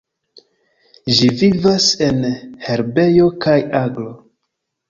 Ĝi vivas en herbejo kaj agro.